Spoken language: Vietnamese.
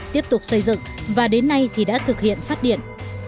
tiếp tục xây dựng và đến nay thì đã thực hiện phát điện